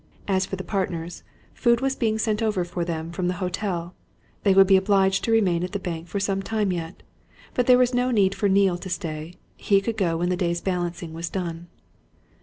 As for the partners, food was being sent over for them from the hotel: they would be obliged to remain at the bank for some time yet. But there was no need for Neale to stay; he could go when the day's balancing was done.